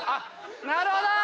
なるほど！